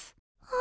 あ。